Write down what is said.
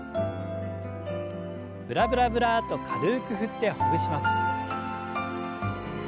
ブラブラブラッと軽く振ってほぐします。